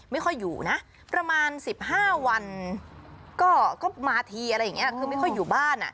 ไม่ค่อยอยู่นะประมาณ๑๕วันก็มาทีอะไรอย่างนี้คือไม่ค่อยอยู่บ้าน